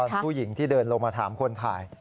ผู้หญิงที่เดินลงมาถามคนถ่าย